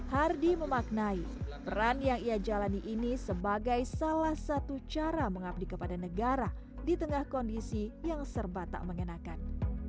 hardy memaknai peran yang ia jalani ini sebagai salah satu cara mengabdi kepada negara di tengah kondisi yang serba tak mengenakan